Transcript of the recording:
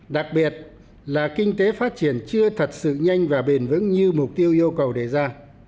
đặc biệt là kinh tế phát triển chưa thật sự nhanh và bền vững như mục tiêu yêu cầu đề ra